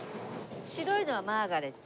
白いのはマーガレット？